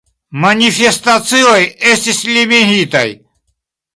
Manifestacioj estis limigitaj.